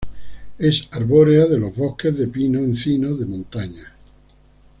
Es arbórea de los bosques de pino-encino de montaña.